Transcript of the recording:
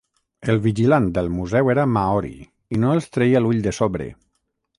El vigilant del museu era maori i no els treia l'ull de sobre.